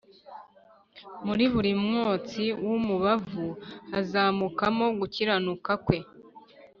Muri buri mwotsi w’umubavu hazamukagamo gukiranuka Kwe